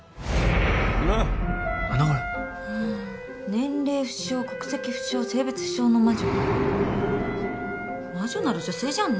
「年齢不詳国籍不祥性別不詳の魔女」魔女なら女性じゃんね？